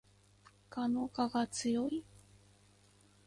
蛾の我が強い